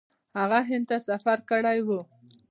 هغه هند ته سفر کړی و.